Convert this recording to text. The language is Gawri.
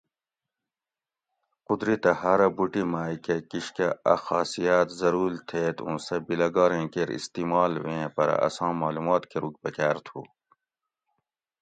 قدرتہ ھارہ بوٹی مائ کہ کشکہ اۤ خاصیاۤت ضرول تھیت اوں سہ بیلگاریں کیر استعمال ویں پرہ اساں مالومات کروگ پکار تھو